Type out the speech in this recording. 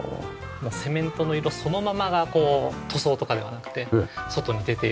セメントの色そのままがこう塗装とかではなくて外に出ている。